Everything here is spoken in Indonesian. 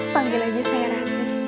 panggil aja saya rati